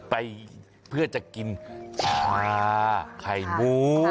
ไปเพื่อจะกินชาไข่หมู